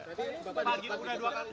berarti bapak udah dua kali